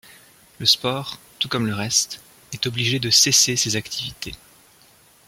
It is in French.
Le sport, tout comme le reste, est obligé de cesser ses activités.